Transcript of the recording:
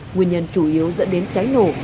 nguyên nhân chủ yếu dẫn đến cháy nổ